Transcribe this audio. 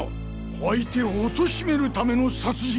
相手をおとしめるための殺人。